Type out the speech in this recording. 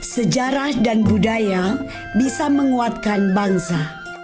sejarah dan budaya bisa menguatkan bangsa